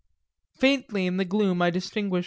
Faintly, in the gloom, I distinguish M.